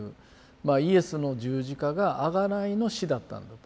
まあイエスの十字架があがないの死だったんだと。